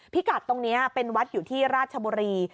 กัดตรงนี้เป็นวัดอยู่ที่ราชบุรี